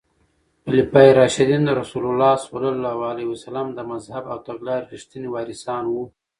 خلفای راشدین د رسول الله ص د مذهب او تګلارې رښتیني وارثان وو.